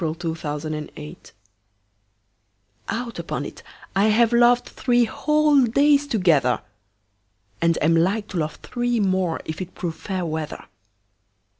The Constant Lover OUT upon it, I have lovedThree whole days together! And am like to love three more, If it prove fair weather.